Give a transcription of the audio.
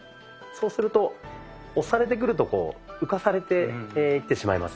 そうすると押されてくると浮かされていってしまいますよね。